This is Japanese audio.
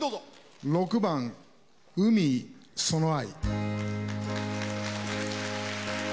６番「海その愛」。